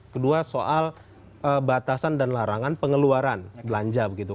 kedua soal batasan dan larangan pengeluaran belanja begitu